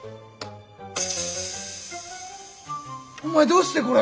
お前どうしてこれ。